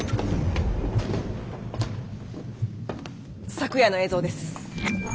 昨夜の映像です。